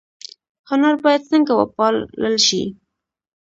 هنر باید څنګه وپال ل شي؟